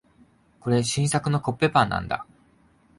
これ、新作のコッペパンなんだ。